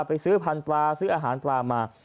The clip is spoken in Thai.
ซื้อพันธุ์ปลาซื้ออาหารปลามา